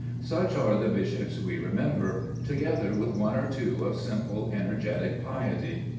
Such are the bishops we remember, together with one or two of simple energetic piety.